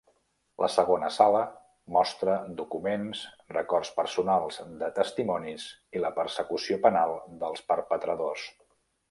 La segona sala mostra documents, records personals de testimonis i la persecució penal dels perpetradors.